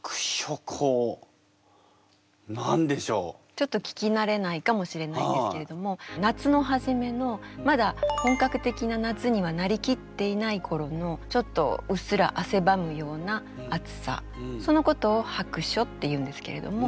ちょっと聞き慣れないかもしれないんですけれども夏の初めのまだ本格的な夏にはなりきっていない頃のちょっとうっすら汗ばむような暑さそのことを「薄暑」っていうんですけれども。